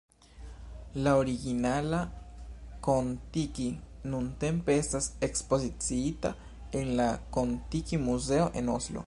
La originala Kon-Tiki nuntempe estas ekspoziciita en la Kon-Tiki Muzeo en Oslo.